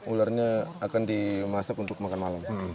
ularnya akan dimasak untuk makan malam